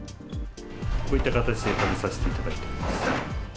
こういった形でためさせていただいております。